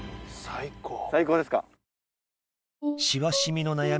最高ですか？